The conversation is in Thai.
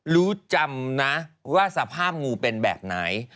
รู้จำนะว่าสภาพงูเป็นแบบไหน